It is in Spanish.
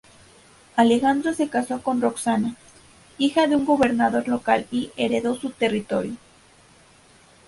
Alejandro se casó con Roxana, hija de un gobernante local, y heredó su territorio.